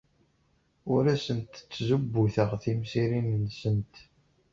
Ur asent-ttzubuteɣ timsirin-nsent.